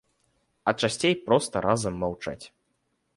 А часцей проста разам маўчаць.